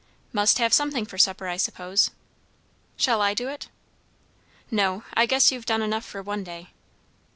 "Must have something for supper, I suppose." "Shall I do it?" "No. I guess you've done enough for one day."